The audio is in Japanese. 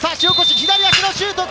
左足のシュート。